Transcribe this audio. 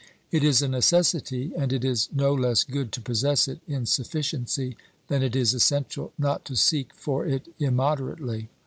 It is a necessity, and it is no less good to possess it in sufficiency than it is essential not to seek for it immoderately.